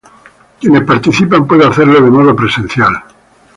Quienes participan pueden hacerlo de modo presencial.